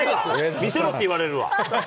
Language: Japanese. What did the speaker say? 見せろって言われるわ。